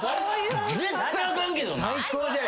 絶対あかんけどな。